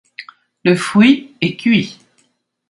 Le fruit est cuit.